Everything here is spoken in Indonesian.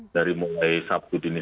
dari mulai sabtu dinihan